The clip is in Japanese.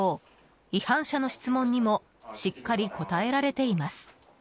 違反者の質問にもしっかり答えられています。